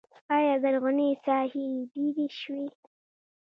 آیا زرغونې ساحې ډیرې شوي؟